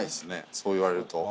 そういわれると。